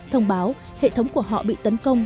thông báo hệ thống của họ bị tấn công